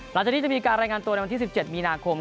หลังจากนี้จะมีการรายงานตัวในวันที่๑๗มีนาคม